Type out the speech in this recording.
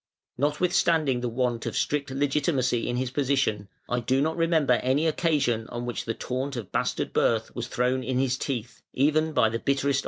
Notwithstanding the want of strict legitimacy in his position, I do not remember any occasion on which the taunt of bastard birth was thrown in his teeth, even by the bitterest of his foes.